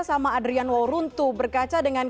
sama adrian wauruntu berkaca dengan